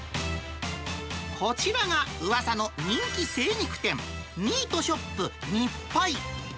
こちらがうわさの人気精肉店、ミートショップニッパイ。